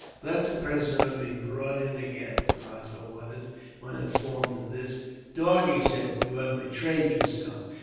"Let the prisoner be brought in again," the rajah ordered, when informed of this. "Dog," he said, "you have betrayed yourself.